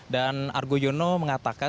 dan argo yono mengatakan